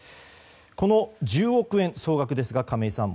この１０億円、総額ですが亀井さん